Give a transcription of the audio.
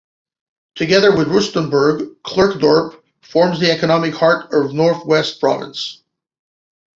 Together with Rustenburg, Klerksdorp forms the economic heart of North West Province.